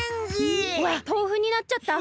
うわっとうふになっちゃった。